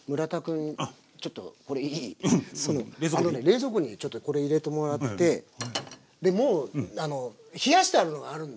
冷蔵庫にちょっとこれ入れてもらってでもう冷やしてあるのがあるんだよ。